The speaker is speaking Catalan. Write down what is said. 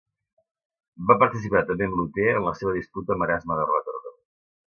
Va participar també amb Luter en la seva disputa amb Erasme de Rotterdam.